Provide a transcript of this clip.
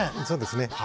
そうですね。